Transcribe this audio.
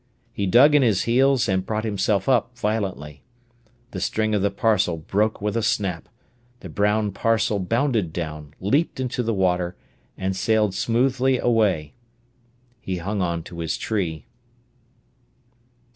He dug in his heels and brought himself up violently. The string of the parcel broke with a snap; the brown parcel bounded down, leaped into the water, and sailed smoothly away. He hung on to his tree.